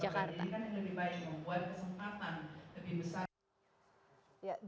katrina inadiyah jakarta